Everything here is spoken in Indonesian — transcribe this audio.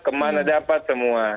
kemana dapat semua